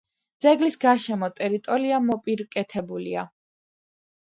ძეგლის გარშემო ტერიტორია მოპირკეთებულია.